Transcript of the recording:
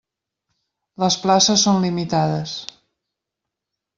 Les places són limitades.